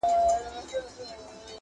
• پلار ویل زویه ته دا و وایه بل چا ته..